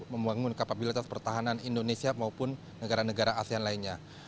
membangun kapabilitas pertahanan indonesia maupun negara negara asean lainnya